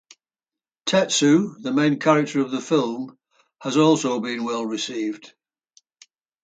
Tetsu, the main character of the film, has also been well received.